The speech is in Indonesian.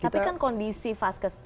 tapi kan kondisi faskes